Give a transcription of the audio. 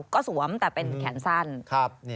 ก็สวมแต่เป็นแขนสั้น